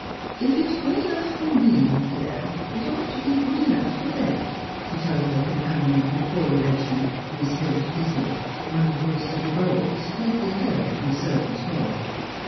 If it is good enough for me, my dear, it ought to be good enough for them," she told her companion and poor relation. Miss Hilda Disney, when the voice of revolt \was faintly heard from the servants' hall.